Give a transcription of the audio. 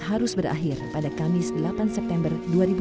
harus berakhir pada kamis delapan september dua ribu dua puluh